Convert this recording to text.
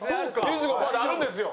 ２５パーであるんですよ。